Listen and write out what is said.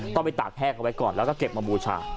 ไปตากแพรกเอาไว้ก่อนแล้วก็เก็บมาบูชา